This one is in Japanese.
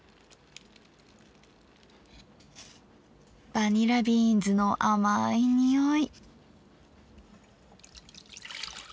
バニラビーンズの甘い匂い。